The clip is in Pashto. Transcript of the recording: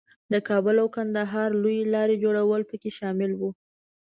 د کابل او کندهار لویې لارې جوړول پکې شامل وو.